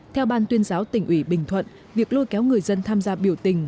theo ban tuyên giáo tỉnh ủy bình thuận việc lôi kéo người dân tham gia biểu tình